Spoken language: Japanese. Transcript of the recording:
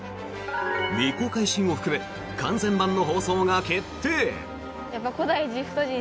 未公開シーンを含む完全版の放送が決定。